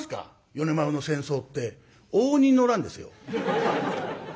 米丸の戦争って応仁の乱ですよ。